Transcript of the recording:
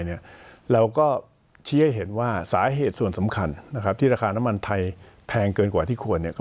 เราก็ชี้ให้เห็นว่าสาเหตุส่วนสำคัญนะครับที่ราคาน้ำมันไทยแพงเกินกว่าที่ควรเนี่ย